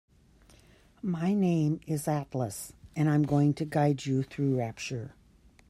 My name is Atlas and I'm going to guide you through Rapture.